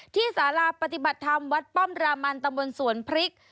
สาราปฏิบัติธรรมวัดป้อมรามันตำบลสวนพริก